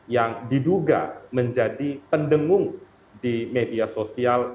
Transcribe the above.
yang diduga menjadi pendengung di media sosial